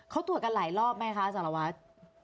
เขาตรวจกันหลายรอบไหมคะสารวัตร